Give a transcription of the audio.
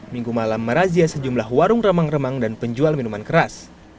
minggu malam merazia sejumlah warung remang remang dan penjual minuman keras